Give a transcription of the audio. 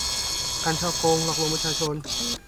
การฉ้อโกงหลอกลวงประชาชน